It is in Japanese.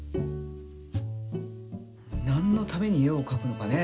なんのために絵をかくのかね。